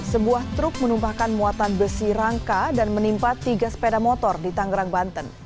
sebuah truk menumpahkan muatan besi rangka dan menimpa tiga sepeda motor di tanggerang banten